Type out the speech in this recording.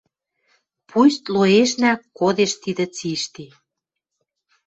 Пусть лоэшнӓ кодеш тидӹ цишти.